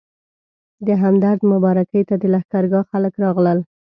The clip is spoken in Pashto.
د همدرد مبارکۍ ته د لښکرګاه خلک راغلل.